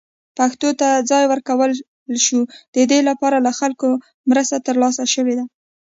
پښتو ته ځای ورکړل شو، د دې لپاره له خلکو مرسته ترلاسه شوې ده.